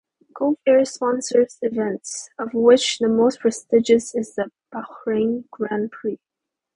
Gulf Air sponsors events, of which the most prestigious is the Bahrain Grand Prix.